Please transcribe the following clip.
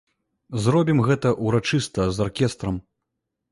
Зробім гэта ўрачыста, з аркестрам.